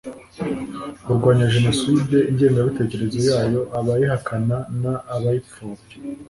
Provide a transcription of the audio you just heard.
burwanya jenoside ingengabitekerezo yayo abayihakana n abayipfobya